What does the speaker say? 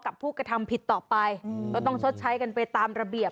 ผู้กระทำผิดต่อไปก็ต้องชดใช้กันไปตามระเบียบ